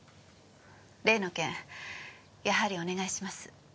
例の件やはりお願いします。